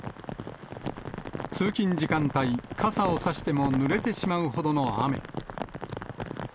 通勤時間帯、傘を差してもぬれてしまうほどの雨。